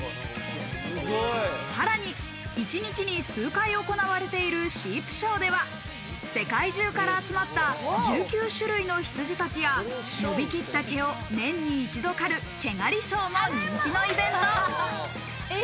さらに一日に数回行われているシープショーでは世界中から集まった１９種類の羊たちや、伸びきった毛を年に一度刈る毛刈りショーも人気のイベント。